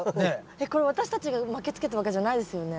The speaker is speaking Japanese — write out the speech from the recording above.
えっこれ私たちが巻きつけたわけじゃないですよね。